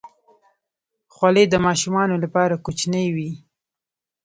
خولۍ د ماشومانو لپاره کوچنۍ وي.